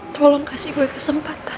tolong kasih gue kesempatan